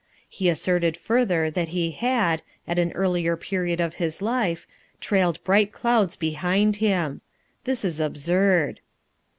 He asserted further that he had, at an earlier period of his life, trailed bright clouds behind him. This was absurd.